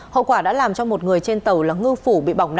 hậu quả đã làm cho một người trên tàu là ngư phủ